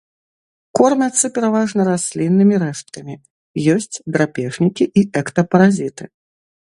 Кормяцца пераважна расліннымі рэшткамі, ёсць драпежнікі і эктапаразіты.